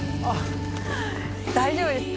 大丈夫ですか？